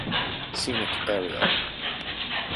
Scenic area.